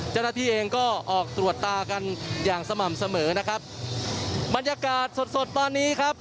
เจ้าหน้าที่เองก็ออกตรวจตากันอย่างสม่ำเสมอนะครับบรรยากาศสดสดตอนนี้ครับ